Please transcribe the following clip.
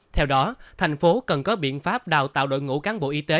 theo đó thành phố cần có biện pháp đào tạo đội ngũ cán bộ y tế